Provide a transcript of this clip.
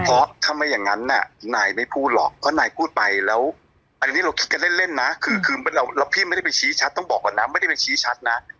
เพราะถ้าไม่อย่างนั้นน่ะนายไม่พูดหรอกเพราะนายพูดไปแล้วอันนี้เราคิดกันเล่นนะคือแล้วพี่ไม่ได้ไปชี้ชัดต้องบอกก่อนนะไม่ได้ไปชี้ชัดนะ